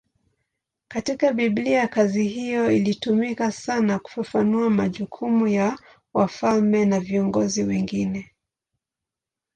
Katika Biblia kazi hiyo ilitumika sana kufafanua majukumu ya wafalme na viongozi wengine.